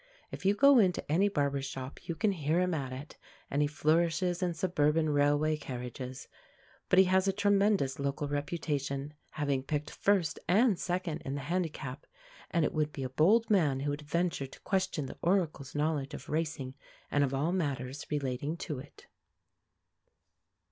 If you go into any barber's shop, you can hear him at it, and he flourishes in suburban railway carriages; but he has a tremendous local reputation, having picked first and second in the handicap, and it would be a bold man who would venture to question the Oracle's knowledge of racing and of all matters relating to it.